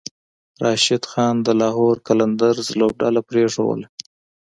راشد خان د لاهور قلندرز لوبډله پریښودله